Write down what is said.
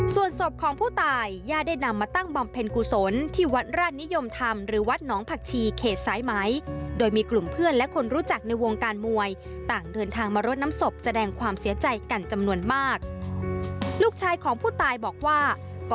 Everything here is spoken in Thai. ส่วนศพของผู้ตายญาติได้นำมาตั้งบำเพ็ญกุศลที่วัดราชนิยมธรรมหรือวัดหนองผักชีเขตสายไหมโดยมีกลุ่มเพื่อนและคนรู้จักในวงการมวยต่างเดินทางมารดน้ำศพแสดงความเสียใจกันจำนวนมากลูกชายของผู้ตายบอกว่าก